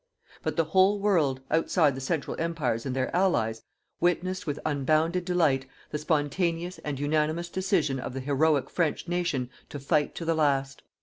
But the whole world outside the Central Empires and their Allies witnessed with unbounded delight the spontaneous and unanimous decision of the heroic French nation to fight to the last.